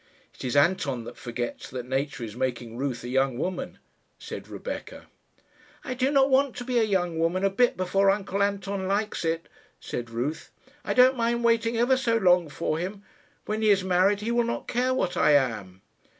"It is Anton that forgets that nature is making Ruth a young woman," said Rebecca. "I do not want to be a young woman a bit before uncle Anton likes it," said Ruth. "I don't mind waiting ever so long for him. When he is married he will not care what I am."